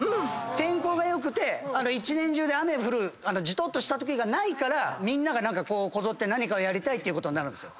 天候が良くて一年中で雨降るじとっとしたときがないからみんながこぞって何かやりたいってことになるんですよ。